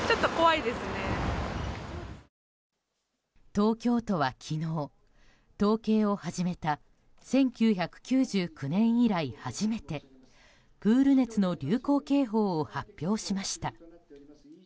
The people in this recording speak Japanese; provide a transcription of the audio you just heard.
東京都は昨日、統計を始めた１９９９年以来初めてプール熱の流行警報を発表しました。